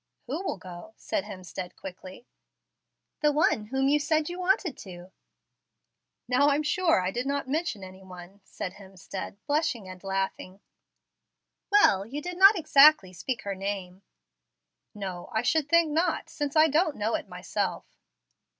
"Who will go?" said Hemstead, quickly. "The one whom you said you wanted to." "Now I'm sure I did not mention any one," said Hemstead, blushing and laughing. "Well, you did not exactly speak her name." "No, I should think not, since I don't know it myself."